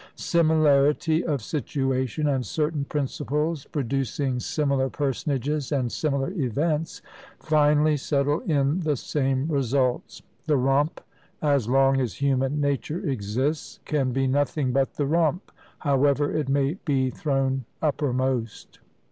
Similarity of situation, and certain principles, producing similar personages and similar events, finally settle in the same results. The Rump, as long as human nature exists, can be nothing but the Rump, however it may be thrown uppermost.